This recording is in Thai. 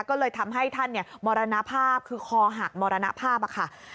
ก็เลยทำให้ท่านมรณภาพคือคอหักมรณภาพค่ะ